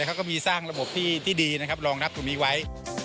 เขาก็มีสร้างระบบที่ดีนะครับรองรับตรงนี้ไว้